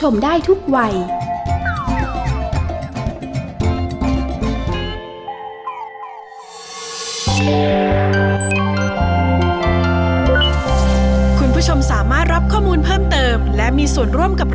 เมื่อกี้ก็โหลดแล้วค่ะ